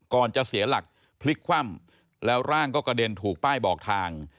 จะเสียหลักพลิกคว่ำแล้วร่างก็กระเด็นถูกป้ายบอกทาง